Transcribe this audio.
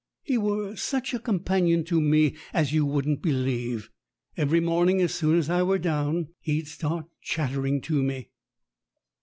He were such a companion to me as you wouldn't believe. Every morning as soon as I were down, he'd start chattering to me.